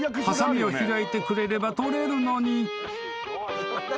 ［はさみを開いてくれれば取れるのに］